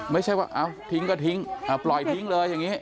ไม่ใช่ว่าเอาทิ้งก็ทิ้งปล่อยทิ้งเลยอย่างนี้